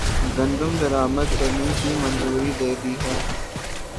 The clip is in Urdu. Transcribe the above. گندم درآمدکرنے کی منظوری دےدی ہے